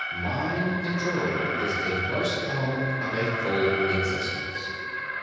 Mind control is the first element of a full existence.